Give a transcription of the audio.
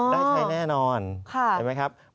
อ๋อได้ใช้แน่นอนได้ไหมครับค่ะ